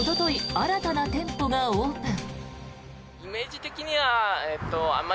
新たな店舗がオープン。